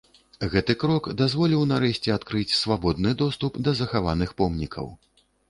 Гэты крок дазволіў нарэшце адкрыць свабодны доступ да захаваных помнікаў.